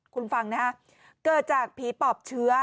คุณฟังนะฮะเกิดจากผีปอบเชื้อ